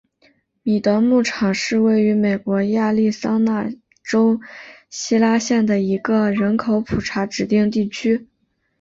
米德牧场是位于美国亚利桑那州希拉县的一个人口普查指定地区。